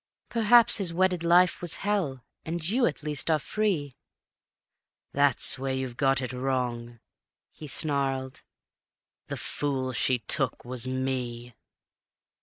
Perhaps his wedded life was hell; and you, at least, are free ..." "That's where you've got it wrong," he snarled; "the fool she took was me.